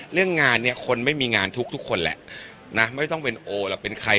เรื่องงานเนี่ยคนไม่มีงานทุกข์ทุกคนแหละนะไม่ต้องเป็นโอหรอกเป็นใคร